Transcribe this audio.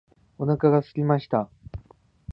お腹がすきました。